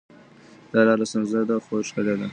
دا لاره ستونزمنه ده خو ښکلې ده.